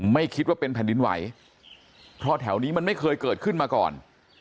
ไม่คิดว่าเป็นแผ่นดินไหวเพราะแถวนี้มันไม่เคยเกิดขึ้นมาก่อน